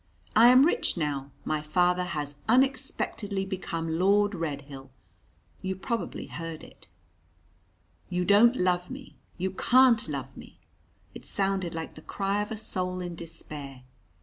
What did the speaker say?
"I am rich now my father has unexpectedly become Lord Redhill you probably heard it!" "You don't love me! You can't love me!" It sounded like the cry of a soul in despair.